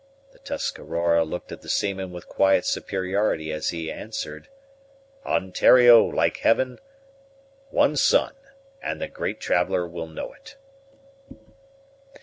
The Tuscarora looked at the seaman with quiet superiority as he answered, "Ontario, like heaven; one sun, and the great traveller will know it."